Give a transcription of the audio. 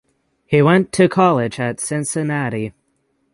He went to college at Cincinnati.